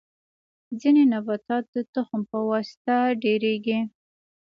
ځینې نباتات د تخم په واسطه ډیریږي